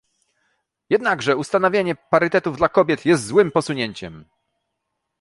Jednakże ustanawianie parytetów dla kobiet jest złym posunięciem